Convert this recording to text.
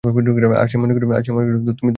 আর সে মনে করে তুমি তার প্রেমে পড়েছো?